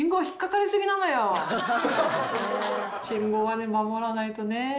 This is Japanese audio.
「信号はね守らないとね。